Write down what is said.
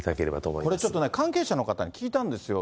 これちょっとね、関係者の方に聞いたんですよ。